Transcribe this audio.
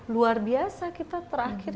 luar biasa kita terakhir